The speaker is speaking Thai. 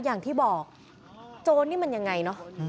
อย่างที่บอกโจรนี่มันยังไงเนอะ